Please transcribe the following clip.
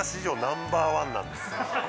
ナンバーワンなんです